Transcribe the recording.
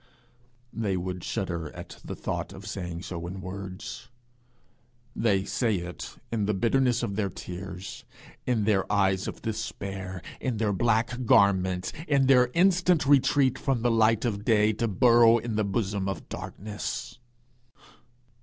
They would shudder at the thought of saying so in words; they say it in the bitterness of their tears, in their eyes of despair, in their black garments, in their instant retreat from the light of day to burrow in the bosom of darkness?